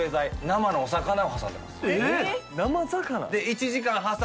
・生魚？